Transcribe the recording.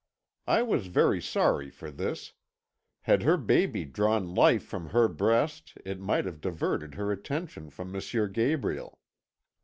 I was very sorry for this; had her baby drawn life from her breast it might have diverted her attention from M. Gabriel.